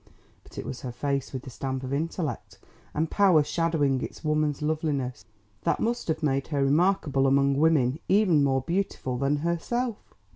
But it was her face with the stamp of intellect and power shadowing its woman's loveliness that must have made her remarkable among women even more beautiful than herself.